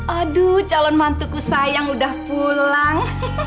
aduh calon mantuku sayang udah pulang